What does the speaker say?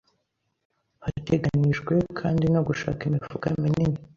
hateganijwe kandi no gushaka imifuka minini